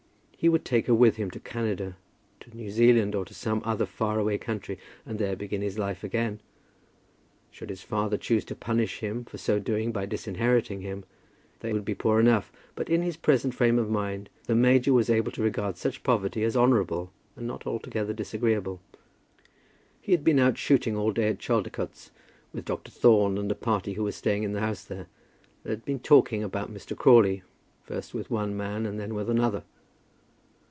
He would take her with him to Canada, to New Zealand, or to some other far away country, and there begin his life again. Should his father choose to punish him for so doing by disinheriting him, they would be poor enough; but, in his present frame of mind, the major was able to regard such poverty as honourable and not altogether disagreeable. He had been out shooting all day at Chaldicotes, with Dr. Thorne and a party who were staying in the house there, and had been talking about Mr. Crawley, first with one man and then with another.